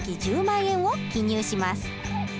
１０万円を記入します。